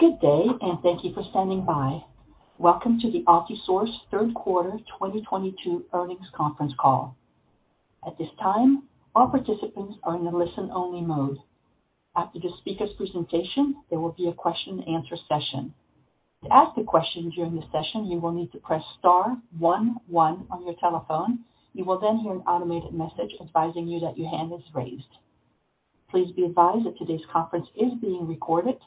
Good day, and thank you for standing by. Welcome to the Altisource third quarter 2022 earnings conference call. At this time, all participants are in a listen-only mode. After the speaker's presentation, there will be a question and answer session. To ask a question during the session, you will need to press star one one on your telephone. You will then hear an automated message advising you that your hand is raised. Please be advised that today's conference is being recorded.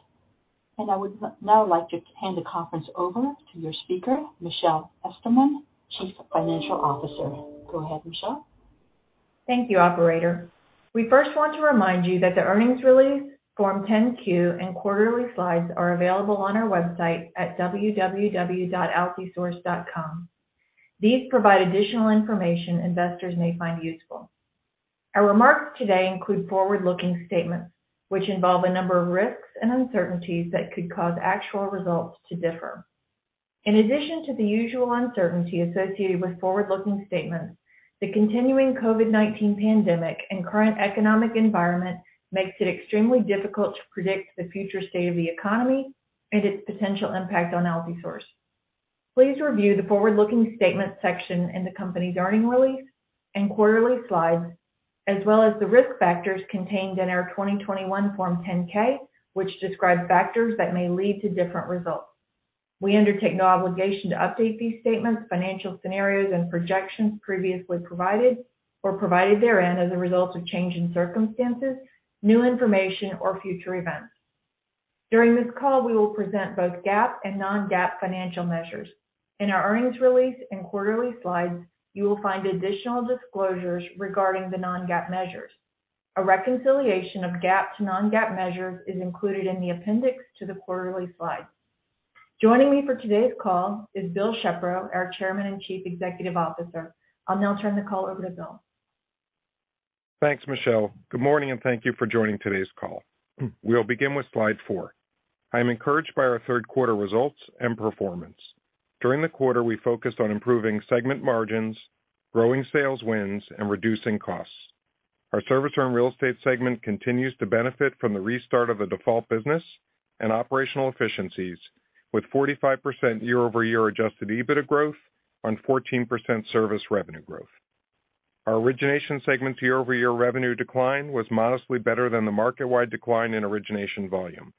I would now like to hand the conference over to your speaker, Michelle Esterman, Chief Financial Officer. Go ahead, Michelle. Thank you, operator. We first want to remind you that the earnings release, Form 10-Q, and quarterly slides are available on our website at www.altisource.com. These provide additional information investors may find useful. Our remarks today include forward-looking statements which involve a number of risks and uncertainties that could cause actual results to differ. In addition to the usual uncertainty associated with forward-looking statements, the continuing COVID-19 pandemic and current economic environment makes it extremely difficult to predict the future state of the economy and its potential impact on Altisource. Please review the forward-looking statements section in the company's earnings release and quarterly slides, as well as the risk factors contained in our 2021 Form 10-K, which describes factors that may lead to different results. We undertake no obligation to update these statements, financial scenarios, and projections previously provided or provided therein as a result of change in circumstances, new information, or future events. During this call, we will present both GAAP and non-GAAP financial measures. In our earnings release and quarterly slides, you will find additional disclosures regarding the non-GAAP measures. A reconciliation of GAAP to non-GAAP measures is included in the appendix to the quarterly slides. Joining me for today's call is Bill Shepro, our Chairman and Chief Executive Officer. I'll now turn the call over to Bill. Thanks, Michelle. Good morning, and thank you for joining today's call. We'll begin with slide four. I am encouraged by our third quarter results and performance. During the quarter, we focused on improving segment margins, growing sales wins, and reducing costs. Our servicer and real estate segment continues to benefit from the restart of the default business and operational efficiencies, with 45% year-over-year adjusted EBITDA growth on 14% service revenue growth. Our origination segment year-over-year revenue decline was modestly better than the market-wide decline in origination volume.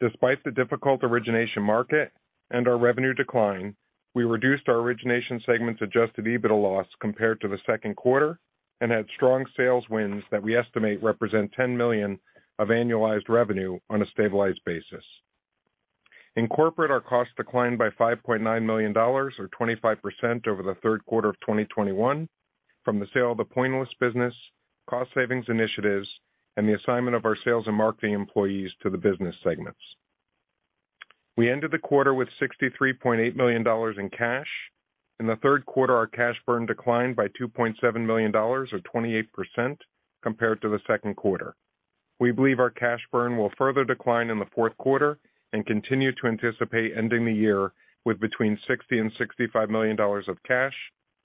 Despite the difficult origination market and our revenue decline, we reduced our origination segment's adjusted EBITDA loss compared to the second quarter and had strong sales wins that we estimate represent $10 million of annualized revenue on a stabilized basis. In corporate, our costs declined by $5.9 million or 25% over the third quarter of 2021 from the sale of the Pointillist business, cost savings initiatives, and the assignment of our sales and marketing employees to the business segments. We ended the quarter with $63.8 million in cash. In the third quarter, our cash burn declined by $2.7 million or 28% compared to the second quarter. We believe our cash burn will further decline in the fourth quarter and continue to anticipate ending the year with between $60 million and $65 million of cash,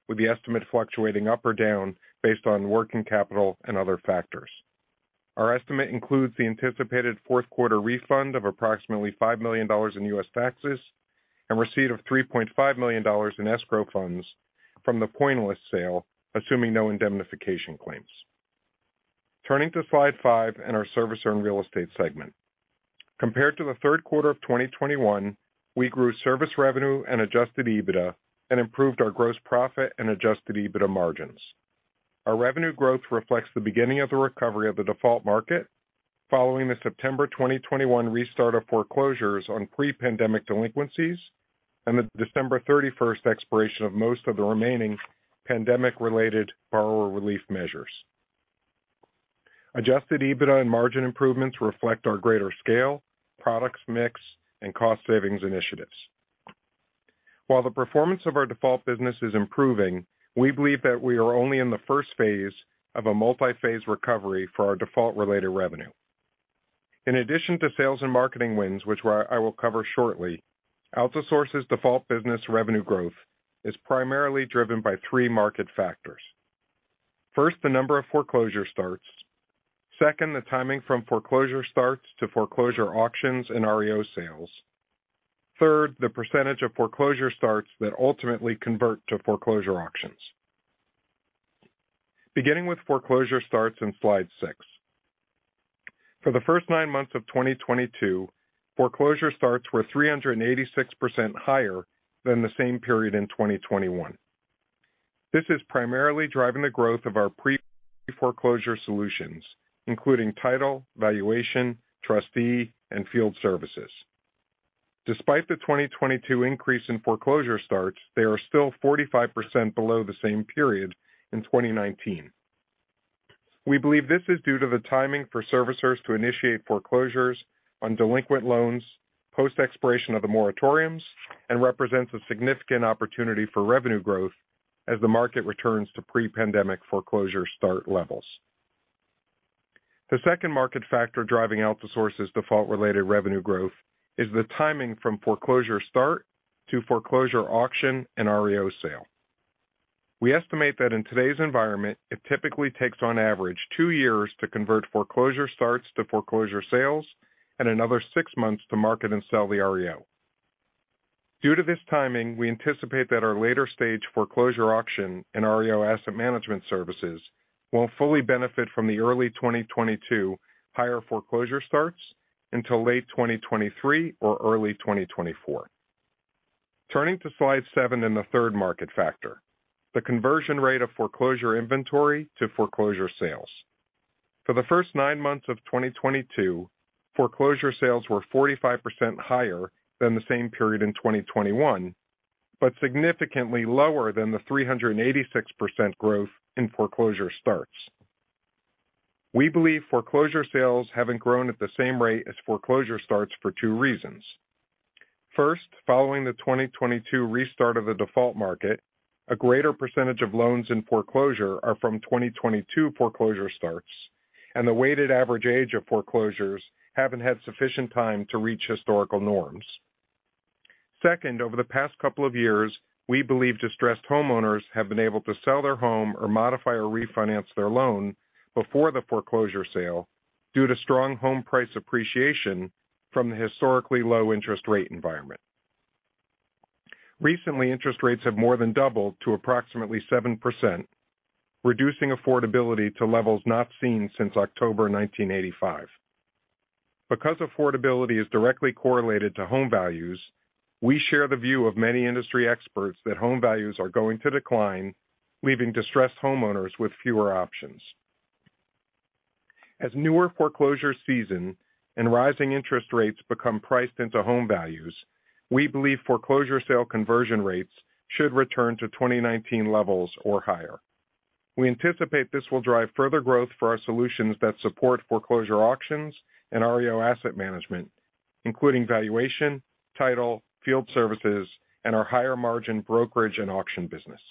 with the estimate fluctuating up or down based on working capital and other factors. Our estimate includes the anticipated fourth quarter refund of approximately $5 million in U.S. taxes and receipt of $3.5 million in escrow funds from the Pointillist sale, assuming no indemnification claims. Turning to slide five and our servicer and real estate segment. Compared to the third quarter of 2021, we grew service revenue and adjusted EBITDA and improved our gross profit and adjusted EBITDA margins. Our revenue growth reflects the beginning of the recovery of the default market following the September 2021 restart of foreclosures on pre-pandemic delinquencies and the December 31st expiration of most of the remaining pandemic-related borrower relief measures. Adjusted EBITDA and margin improvements reflect our greater scale, product mix, and cost savings initiatives. While the performance of our default business is improving, we believe that we are only in the first phase of a multi-phase recovery for our default-related revenue. In addition to sales and marketing wins, which I will cover shortly, Altisource's default business revenue growth is primarily driven by three market factors. First, the number of foreclosure starts. Second, the timing from foreclosure starts to foreclosure auctions and REO sales. Third, the percentage of foreclosure starts that ultimately convert to foreclosure auctions. Beginning with foreclosure starts in slide six. For the first nine months of 2022, foreclosure starts were 386% higher than the same period in 2021. This is primarily driving the growth of our pre-foreclosure solutions, including title, valuation, trustee, and field services. Despite the 2022 increase in foreclosure starts, they are still 45% below the same period in 2019. We believe this is due to the timing for servicers to initiate foreclosures on delinquent loans, post-expiration of the moratoriums, and represents a significant opportunity for revenue growth as the market returns to pre-pandemic foreclosure start levels. The second market factor driving Altisource's default-related revenue growth is the timing from foreclosure start to foreclosure auction and REO sale. We estimate that in today's environment, it typically takes on average two years to convert foreclosure starts to foreclosure sales and another six months to market and sell the REO. Due to this timing, we anticipate that our later stage foreclosure auction and REO asset management services won't fully benefit from the early 2022 higher foreclosure starts until late 2023 or early 2024. Turning to slide seven and the third market factor, the conversion rate of foreclosure inventory to foreclosure sales. For the first nine months of 2022, foreclosure sales were 45% higher than the same period in 2021, but significantly lower than the 386% growth in foreclosure starts. We believe foreclosure sales haven't grown at the same rate as foreclosure starts for two reasons. First, following the 2022 restart of the default market, a greater percentage of loans in foreclosure are from 2022 foreclosure starts, and the weighted average age of foreclosures haven't had sufficient time to reach historical norms. Second, over the past couple of years, we believe distressed homeowners have been able to sell their home or modify or refinance their loan before the foreclosure sale due to strong home price appreciation from the historically low interest rate environment. Recently, interest rates have more than doubled to approximately 7%, reducing affordability to levels not seen since October 1985. Because affordability is directly correlated to home values, we share the view of many industry experts that home values are going to decline, leaving distressed homeowners with fewer options. As newer foreclosure season and rising interest rates become priced into home values, we believe foreclosure sale conversion rates should return to 2019 levels or higher. We anticipate this will drive further growth for our solutions that support foreclosure auctions and REO asset management, including valuation, title, field services, and our higher margin brokerage and auction business.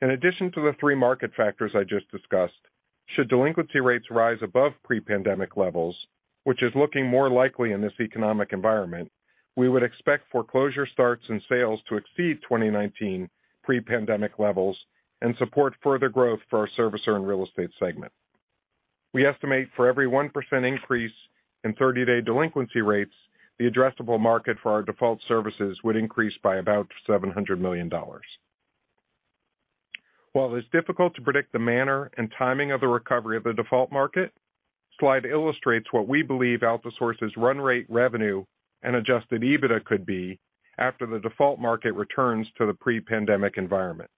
In addition to the three market factors I just discussed, should delinquency rates rise above pre-pandemic levels, which is looking more likely in this economic environment, we would expect foreclosure starts and sales to exceed 2019 pre-pandemic levels and support further growth for our servicer and real estate segment. We estimate for every 1% increase in 30-day delinquency rates, the addressable market for our default services would increase by about $700 million. While it's difficult to predict the manner and timing of the recovery of the default market, slide illustrates what we believe Altisource's run rate revenue and adjusted EBITDA could be after the default market returns to the pre-pandemic environment.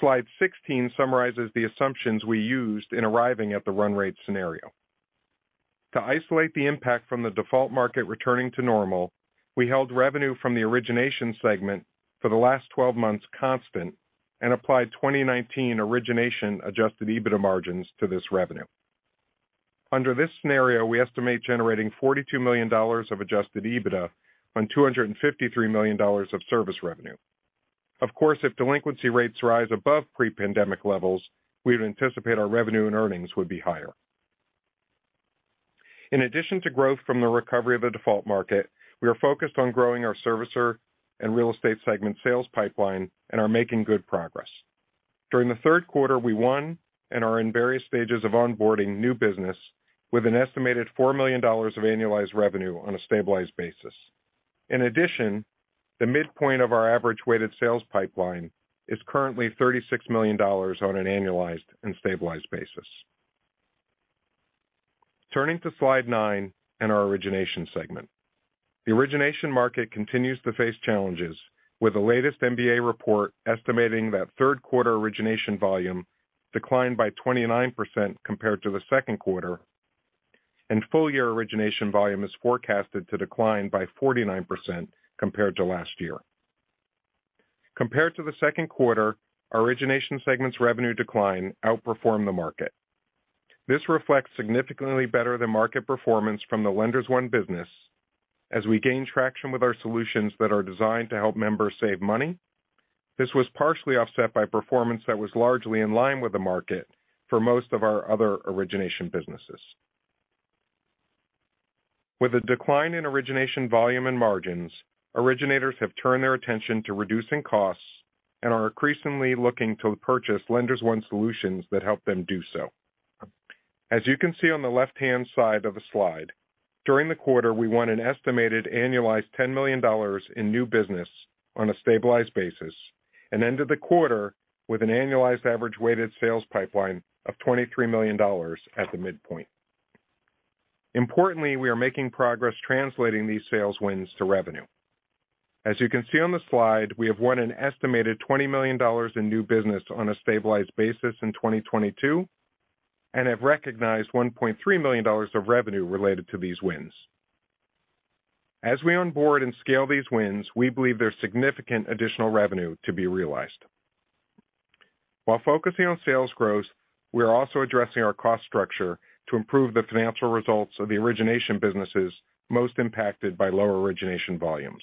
Slide 16 summarizes the assumptions we used in arriving at the run rate scenario. To isolate the impact from the default market returning to normal, we held revenue from the origination segment for the last 12 months constant and applied 2019 origination adjusted EBITDA margins to this revenue. Under this scenario, we estimate generating $42 million of adjusted EBITDA on $253 million of service revenue. Of course, if delinquency rates rise above pre-pandemic levels, we would anticipate our revenue and earnings would be higher. In addition to growth from the recovery of the default market, we are focused on growing our servicer and real estate segment sales pipeline and are making good progress. During the third quarter, we won and are in various stages of onboarding new business with an estimated $4 million of annualized revenue on a stabilized basis. In addition, the midpoint of our average weighted sales pipeline is currently $36 million on an annualized and stabilized basis. Turning to slide nine and our origination segment. The origination market continues to face challenges, with the latest MBA report estimating that third quarter origination volume declined by 29% compared to the second quarter, and full year origination volume is forecasted to decline by 49% compared to last year. Compared to the second quarter, our origination segment's revenue decline outperformed the market. This reflects significantly better than market performance from the Lenders One business as we gain traction with our solutions that are designed to help members save money. This was partially offset by performance that was largely in line with the market for most of our other origination businesses. With a decline in origination volume and margins, originators have turned their attention to reducing costs and are increasingly looking to purchase Lenders One solutions that help them do so. As you can see on the left-hand side of the slide, during the quarter, we won an estimated annualized $10 million in new business on a stabilized basis and ended the quarter with an annualized average weighted sales pipeline of $23 million at the midpoint. Importantly, we are making progress translating these sales wins to revenue. As you can see on the slide, we have won an estimated $20 million in new business on a stabilized basis in 2022 and have recognized $1.3 million of revenue related to these wins. As we onboard and scale these wins, we believe there's significant additional revenue to be realized. While focusing on sales growth, we are also addressing our cost structure to improve the financial results of the origination businesses most impacted by lower origination volumes.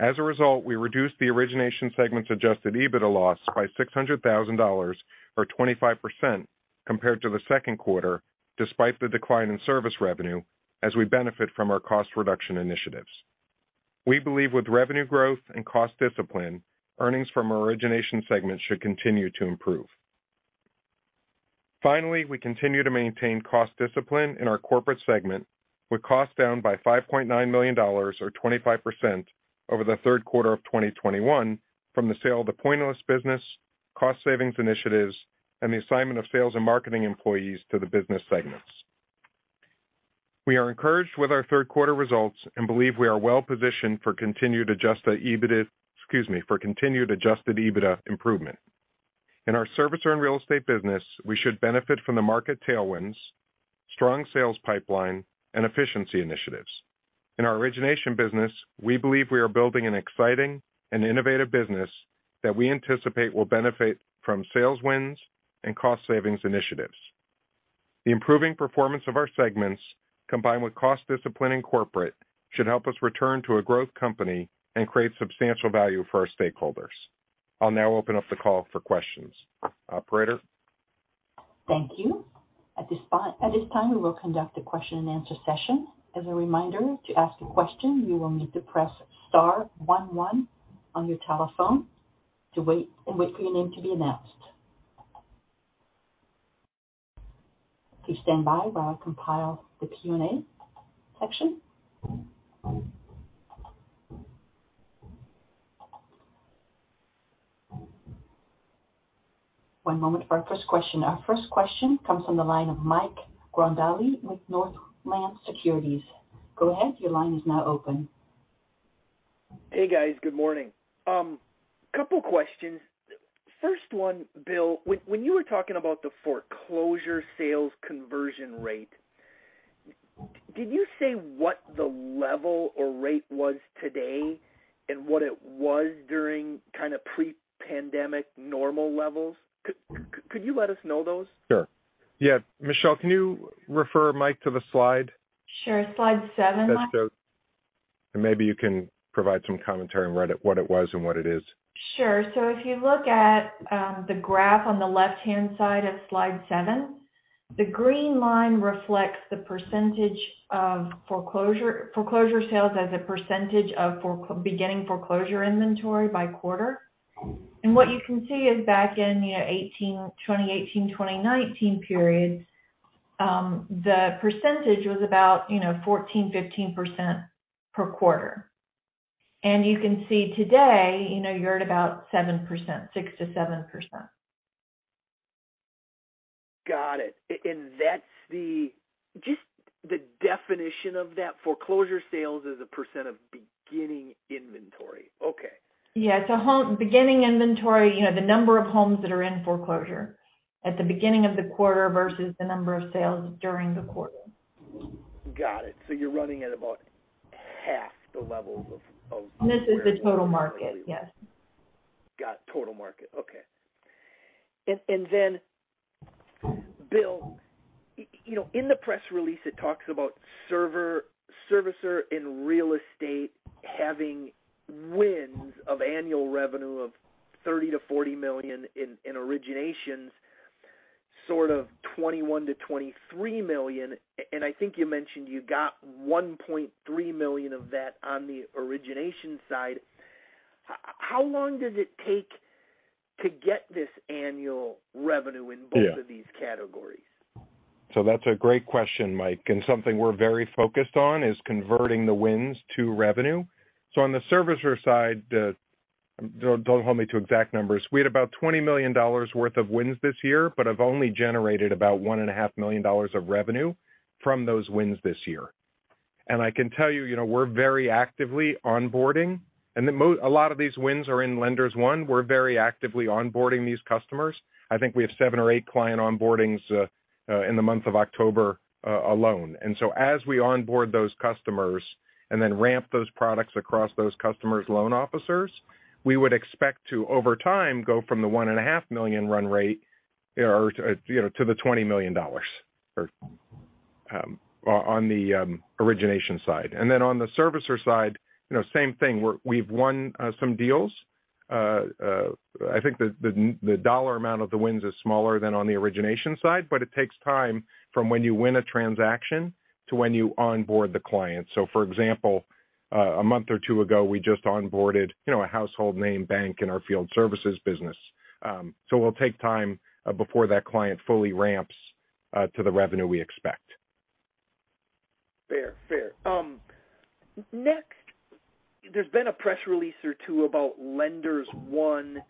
As a result, we reduced the origination segment's adjusted EBITDA loss by $600,000 or 25%. Compared to the second quarter, despite the decline in service revenue as we benefit from our cost reduction initiatives. We believe with revenue growth and cost discipline, earnings from our origination segment should continue to improve. Finally, we continue to maintain cost discipline in our corporate segment, with costs down by $5.9 million or 25% over the third quarter of 2021 from the sale of the Pointillist business, cost savings initiatives, and the assignment of sales and marketing employees to the business segments. We are encouraged with our third quarter results and believe we are well-positioned for continued adjusted EBITDA improvement. In our servicer and real estate business, we should benefit from the market tailwinds, strong sales pipeline, and efficiency initiatives. In our origination business, we believe we are building an exciting and innovative business that we anticipate will benefit from sales wins and cost savings initiatives. The improving performance of our segments, combined with cost discipline in corporate, should help us return to a growth company and create substantial value for our stakeholders. I'll now open up the call for questions. Operator? Thank you. At this time, we will conduct a question-and-answer session. As a reminder, to ask a question, you will need to press star one one on your telephone and wait for your name to be announced. Please stand by while I compile the Q&A section. One moment for our first question. Our first question comes from the line of Mike Grondahl with Northland Securities. Go ahead, your line is now open. Hey, guys. Good morning. Couple questions. First one, Bill, when you were talking about the foreclosure sales conversion rate, did you say what the level or rate was today and what it was during kind of pre-pandemic normal levels? Could you let us know those? Sure. Yeah. Michelle, can you refer Mike to the slide- Sure. Slide seven, Mike that shows. Maybe you can provide some commentary on where what it was and what it is. Sure. If you look at the graph on the left-hand side of slide seven, the green line reflects the percentage of foreclosure sales as a percentage of beginning foreclosure inventory by quarter. What you can see is back in, you know, 2018, 2019 periods, the percentage was about, you know, 14, 15% per quarter. You can see today, you know, you're at about 7%, 6%-7%. Got it. That's just the definition of that, foreclosure sales as a percentage of beginning inventory. Okay. Beginning inventory, you know, the number of homes that are in foreclosure at the beginning of the quarter versus the number of sales during the quarter. Got it. You're running at about half the levels of This is the total market. Yes. Got total market. Okay. Then Bill, you know, in the press release, it talks about servicer in real estate having wins of annual revenue of $30-$40 million in originations, sort of $21-$23 million. I think you mentioned you got $1.3 million of that on the origination side. How long does it take to get this annual revenue in both- Yeah of these categories? That's a great question, Mike, and something we're very focused on is converting the wins to revenue. On the servicer side, don't hold me to exact numbers. We had about $20 million worth of wins this year, but have only generated about $1.5 million of revenue from those wins this year. I can tell you know, we're very actively onboarding. A lot of these wins are in Lenders One. We're very actively onboarding these customers. I think we have seven or eight client onboardings in the month of October alone. As we onboard those customers and then ramp those products across those customers' loan officers, we would expect to over time go from the 1.5 million run rate, or you know, to the $20 million, or on the origination side. On the servicer side, you know, same thing. We've won some deals. I think the dollar amount of the wins is smaller than on the origination side, but it takes time from when you win a transaction to when you onboard the client. For example, a month or two ago, we just onboarded you know, a household name bank in our field services business. We'll take time before that client fully ramps to the revenue we expect. Fair. Next, there's been a press release or two about Lenders One,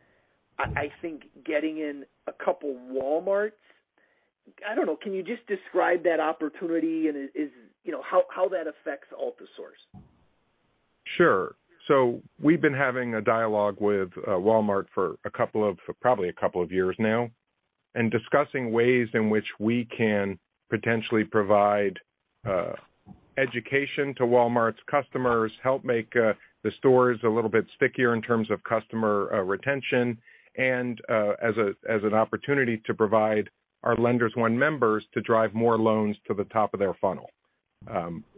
I think getting in a couple Walmarts. I don't know, can you just describe that opportunity and is, you know, how that affects Altisource? Sure. We've been having a dialogue with Walmart for probably a couple of years now, and discussing ways in which we can potentially provide education to Walmart's customers, help make the stores a little bit stickier in terms of customer retention and as an opportunity to provide our Lenders One members to drive more loans to the top of their funnel.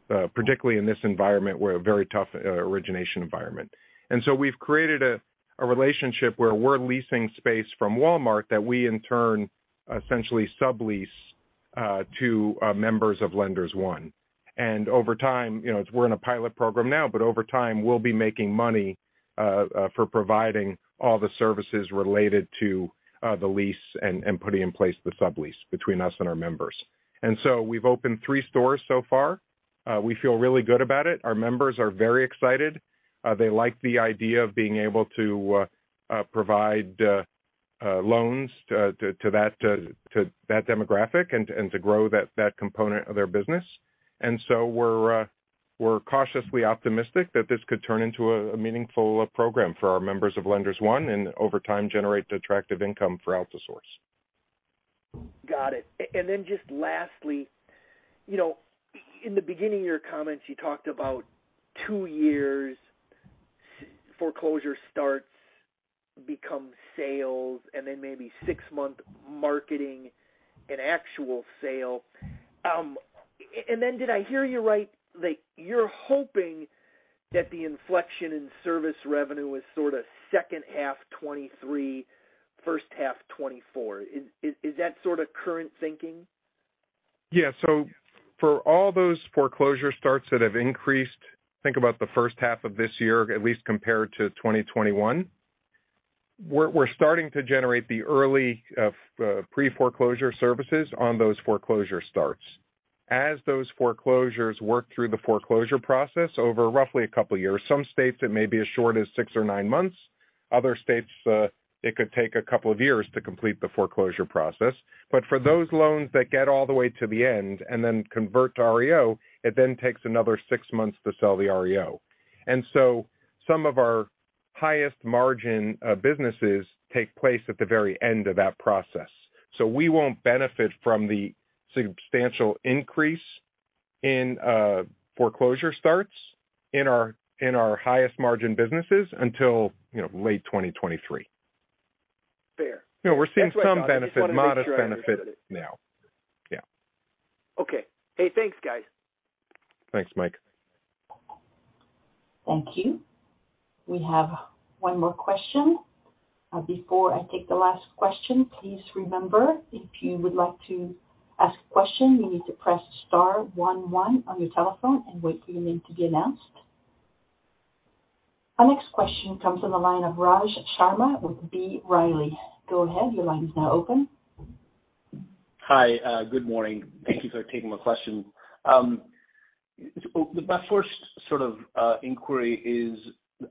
Particularly in this environment, it's a very tough origination environment. We've created a relationship where we're leasing space from Walmart that we in turn essentially sublease to members of Lenders One. Over time, you know, we're in a pilot program now, but over time, we'll be making money for providing all the services related to the lease and putting in place the sublease between us and our members. We've opened three stores so far. We feel really good about it. Our members are very excited. They like the idea of being able to provide loans to that demographic and to grow that component of their business. We're cautiously optimistic that this could turn into a meaningful program for our members of Lenders One, and over time, generate attractive income for Altisource. Got it. Then just lastly, you know, in the beginning of your comments, you talked about two years foreclosure starts become sales and then maybe six-month marketing and actual sale. Did I hear you right, like, you're hoping that the inflection in service revenue is sorta second half 2023, first half 2024. Is that sort of current thinking? Yeah. For all those foreclosure starts that have increased, think about the first half of this year, at least compared to 2021, we're starting to generate the early pre-foreclosure services on those foreclosure starts. As those foreclosures work through the foreclosure process over roughly a couple years. Some states it may be as short as six or nine months. Other states, it could take a couple of years to complete the foreclosure process. For those loans that get all the way to the end and then convert to REO, it then takes another six months to sell the REO. Some of our highest margin businesses take place at the very end of that process. We won't benefit from the substantial increase in foreclosure starts in our highest margin businesses until, you know, late 2023. Fair. You know, we're seeing some benefit. That's what I thought. I just wanted to make sure I understood it. Modest benefit now. Yeah. Okay. Hey, thanks guys. Thanks, Mike. Thank you. We have one more question. Before I take the last question, please remember, if you would like to ask a question, you need to press star one one on your telephone and wait for your name to be announced. Our next question comes from the line of Raj Sharma with B. Riley. Go ahead, your line is now open. Hi. Good morning. Thank you for taking my question. My first sort of inquiry is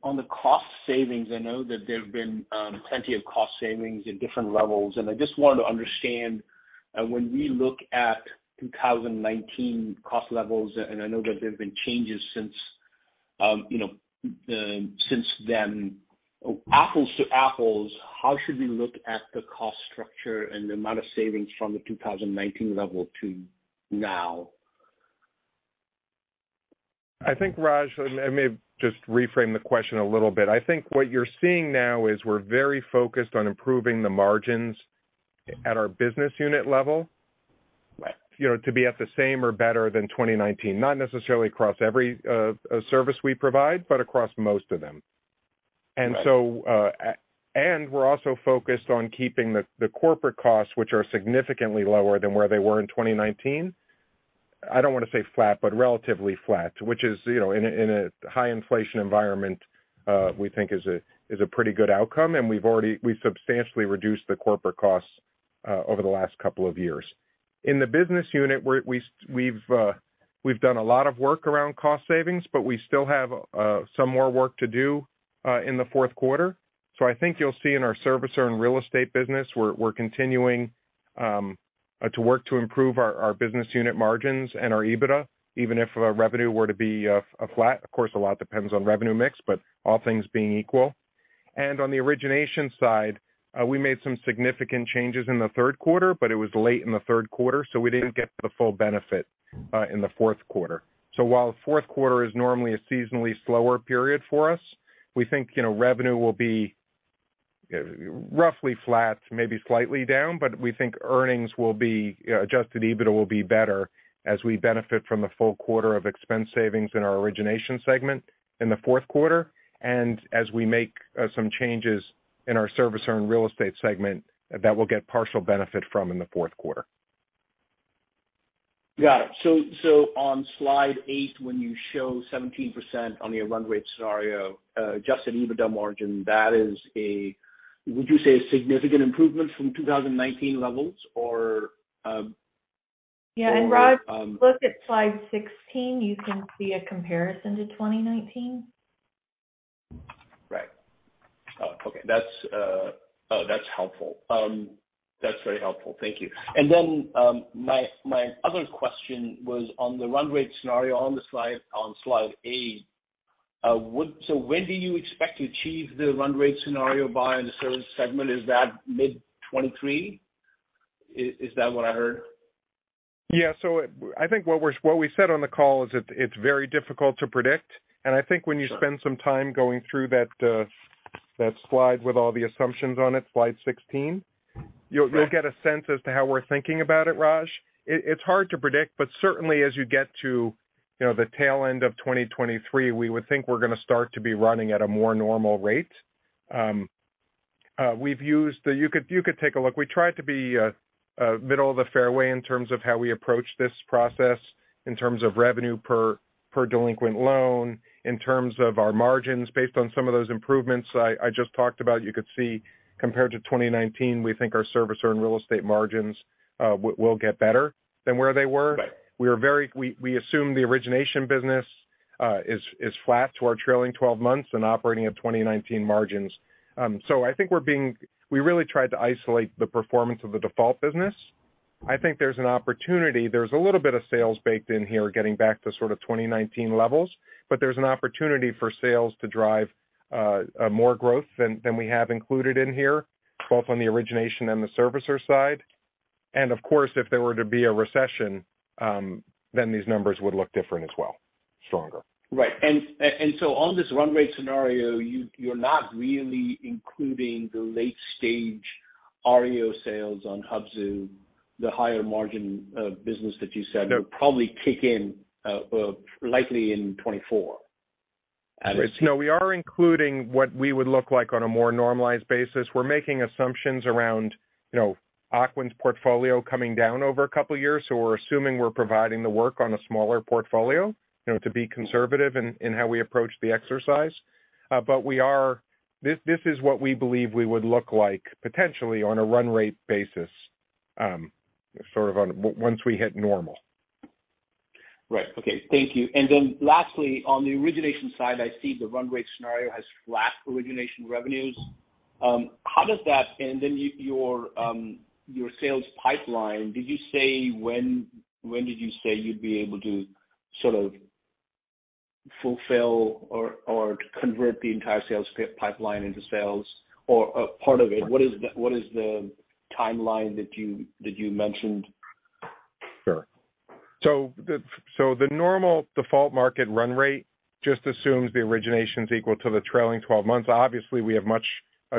on the cost savings. I know that there have been plenty of cost savings at different levels. I just wanted to understand when we look at 2019 cost levels, and I know that there have been changes since, you know, since then. Apples to apples, how should we look at the cost structure and the amount of savings from the 2019 level to now? I think, Raj, let me just reframe the question a little bit. I think what you're seeing now is we're very focused on improving the margins at our business unit level. Right. You know, to be at the same or better than 2019. Not necessarily across every service we provide, but across most of them. Right. We're also focused on keeping the corporate costs, which are significantly lower than where they were in 2019. I don't wanna say flat, but relatively flat, which is, you know, in a high inflation environment, we think is a pretty good outcome. We've substantially reduced the corporate costs over the last couple of years. In the business unit we've done a lot of work around cost savings, but we still have some more work to do in the fourth quarter. I think you'll see in our servicer and real estate business, we're continuing to work to improve our business unit margins and our EBITDA, even if revenue were to be flat. Of course, a lot depends on revenue mix, but all things being equal. On the origination side, we made some significant changes in the third quarter, but it was late in the third quarter, so we didn't get the full benefit in the fourth quarter. While fourth quarter is normally a seasonally slower period for us, we think, you know, revenue will be roughly flat, maybe slightly down, but we think earnings will be, adjusted EBITDA will be better as we benefit from the full quarter of expense savings in our origination segment in the fourth quarter. As we make some changes in our servicer and real estate segment that we'll get partial benefit from in the fourth quarter. Got it. On slide eight, when you show 17% on your run rate scenario, adjusted EBITDA margin, that is would you say a significant improvement from 2019 levels or Yeah. Raj, if you look at slide 16, you can see a comparison to 2019. Right. Oh, okay. That's. Oh, that's helpful. That's very helpful. Thank you. Then, my other question was on the run rate scenario on the slide, on slide eight. So when do you expect to achieve the run rate scenario by in the service segment? Is that mid-2023? Is that what I heard? Yeah. I think what we said on the call is it's very difficult to predict. Sure. I think when you spend some time going through that slide with all the assumptions on it, slide 16, you'll get a sense as to how we're thinking about it, Raj. It's hard to predict, but certainly as you get to, you know, the tail end of 2023, we would think we're gonna start to be running at a more normal rate. You could take a look. We tried to be middle of the fairway in terms of how we approach this process in terms of revenue per delinquent loan, in terms of our margins based on some of those improvements I just talked about. You could see compared to 2019, we think our servicer and real estate margins will get better than where they were. We assume the origination business is flat to our trailing twelve months and operating at 2019 margins. So I think we really tried to isolate the performance of the default business. I think there's an opportunity. There's a little bit of sales baked in here getting back to sort of 2019 levels, but there's an opportunity for sales to drive more growth than we have included in here, both on the origination and the servicer side. Of course, if there were to be a recession, then these numbers would look different as well, stronger. Right. On this run rate scenario, you're not really including the late stage REO sales on Hubzu, the higher margin business that you said. No. would probably kick in, likely in 2024 at a- No, we are including what we would look like on a more normalized basis. We're making assumptions around, you know, Ocwen's portfolio coming down over a couple of years. We're assuming we're providing the work on a smaller portfolio, you know, to be conservative in how we approach the exercise. But we are. This is what we believe we would look like potentially on a run rate basis, sort of once we hit normal. Right. Okay. Thank you. Lastly, on the origination side, I see the run rate scenario has flat origination revenues. How does that? Your sales pipeline, did you say when you'd be able to sort of fulfill or to convert the entire sales pipeline into sales or part of it? What is the timeline that you mentioned? Sure. The normal default market run rate just assumes the origination is equal to the trailing twelve months. Obviously, we have much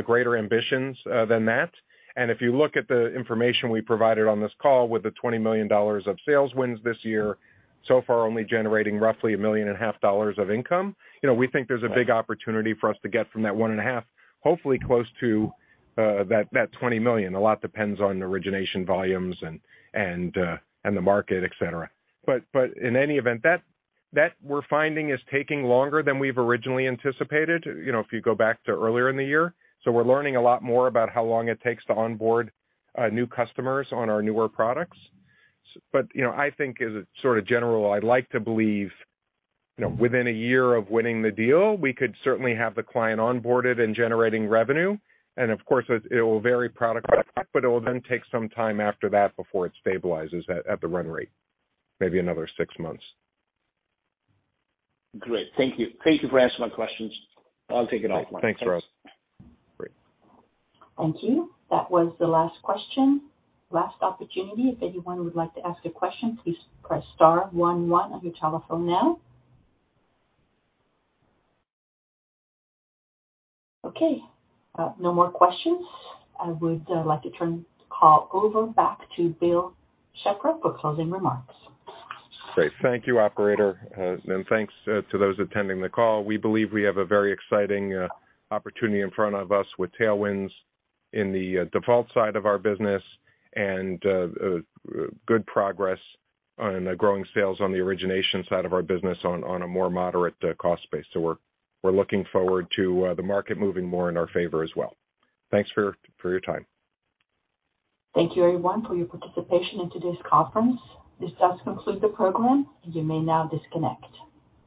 greater ambitions than that. If you look at the information we provided on this call with the $20 million of sales wins this year, so far only generating roughly $1.5 million of income. You know, we think there's a big opportunity for us to get from that 1.5, hopefully close to that $20 million. A lot depends on origination volumes and the market, et cetera. In any event, that we're finding is taking longer than we've originally anticipated, you know, if you go back to earlier in the year. We're learning a lot more about how long it takes to onboard new customers on our newer products. You know, I think as a sort of general, I'd like to believe, you know, within a year of winning the deal, we could certainly have the client onboarded and generating revenue. Of course, it will vary product by product, but it will then take some time after that before it stabilizes at the run rate, maybe another six months. Great. Thank you. Thank you for answering my questions. I'll take it offline. Thanks, Raj. Great. Thank you. That was the last question. Last opportunity. If anyone would like to ask a question, please press star one one on your telephone now. Okay, no more questions. I would like to turn the call over back to Bill Shepro for closing remarks. Great. Thank you, operator. And thanks to those attending the call. We believe we have a very exciting opportunity in front of us with tailwinds in the default side of our business and good progress on the growing sales on the origination side of our business on a more moderate cost base. We're looking forward to the market moving more in our favor as well. Thanks for your time. Thank you everyone for your participation in today's conference. This does conclude the program. You may now disconnect.